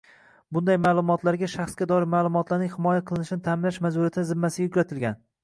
bunday ma’lumotlarga shaxsga doir ma’lumotlarning himoya qilinishini ta’minlash majburiyati zimmasiga yuklatilgan